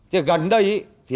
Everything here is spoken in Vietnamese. thì gần đây